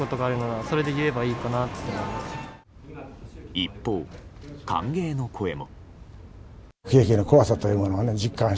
一方、歓迎の声も。